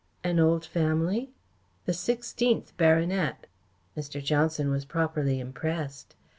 "An old family?" "The sixteenth baronet." Mr. Johnson was properly impressed.